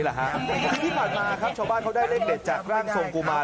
คือที่ผ่านมาครับชาวบ้านเขาได้เลขเด็ดจากร่างทรงกุมาร